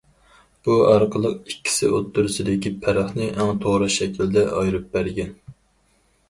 بۇ ئارقىلىق ئىككىسى ئوتتۇرىسىدىكى پەرقنى ئەڭ توغرا شەكىلدە ئايرىپ بەرگەن.